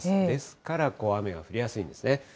ですから雨が降りやすいんですね。